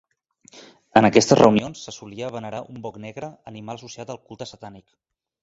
En aquestes reunions se solia venerar un boc negre, animal associat al culte satànic.